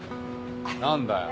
何だよ。